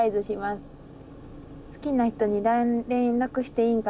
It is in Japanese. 好きな人に連絡していいんか？